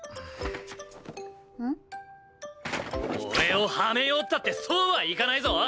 俺をはめようったってそうはいかないぞ！